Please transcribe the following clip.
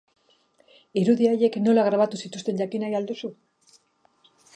Irudi haiek nola grabatu zituzten jakin nahi al duzu?